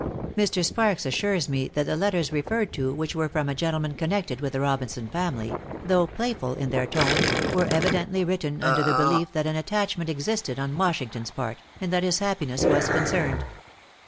Mr. Sparks assures me that the letters referred to, which were from a gentleman connected with the Robinson family, though playful in their tone, were evidently written under the belief that an attachment existed on Washington's part, and that his happiness was concerned.